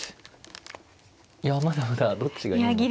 いやまだまだどっちがいいのか。